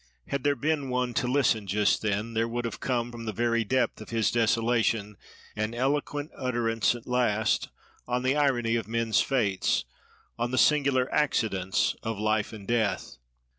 Had there been one to listen just then, there would have come, from the very depth of his desolation, an eloquent utterance at last, on the irony of men's fates, on the singular accidents of life and death.